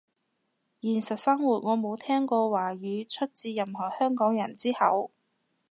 現實生活我冇聽過華語出自任何香港人之口